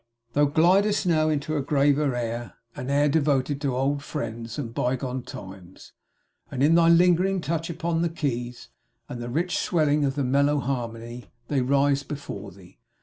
Thou glidest, now, into a graver air; an air devoted to old friends and bygone times; and in thy lingering touch upon the keys, and the rich swelling of the mellow harmony, they rise before thee.